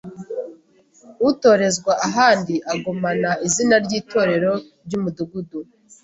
Utorezwa ahandi agumana izina ry’Itorero ry’Umudugudu